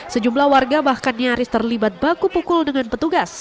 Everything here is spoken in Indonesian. sejumlah warga bahkan nyaris terlibat baku pukul dengan petugas